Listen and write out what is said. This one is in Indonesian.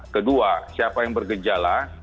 kedua siapa yang bergejala